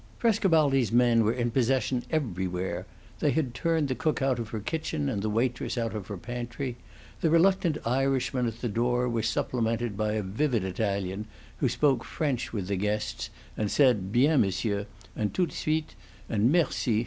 Frescobaldi's men were in possession everywhere they had turned the cook out of her kitchen and the waitress out of her pantry; the reluctant Irishman at the door was supplemented by a vivid Italian, who spoke French with the guests, and said, "Bien, Monsieur," and "toute suite," and "Merci!"